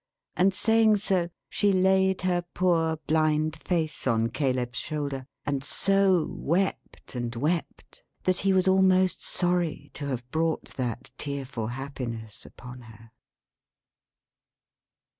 And saying so, she laid her poor blind face on Caleb's shoulder, and so wept and wept, that he was almost sorry to have brought that tearful happiness upon her.